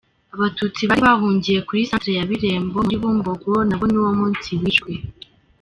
Abatutsi bari bahungiye kuri Centre ya Birembo muri Bumbogo nabo niwo munsi bishwe.